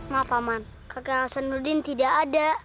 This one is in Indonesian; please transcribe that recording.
maaf paman kakak hasanuddin tidak ada